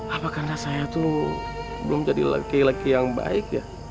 apa karena saya itu belum jadi laki laki yang baik ya